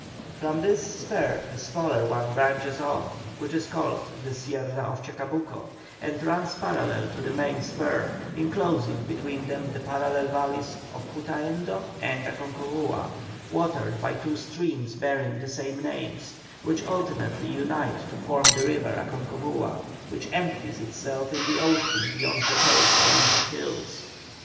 From this spur a smaller one branches off, which is called the Sierra of Chacabuco, and runs parallel to the main spur, enclosing between them the parallel valleys of Putaendo and Aconcagua, watered by two streams bearing the same names, which ultimately unite to form the river Aconcagua, which empties itself in the ocean beyond the coast range of hills.